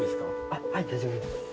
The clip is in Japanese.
あはい大丈夫です。